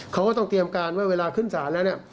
เขาก็ต้องเตรียมการว่าเวลาขึ้นศาลแล้วเนี่ย